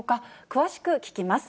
詳しく聞きます。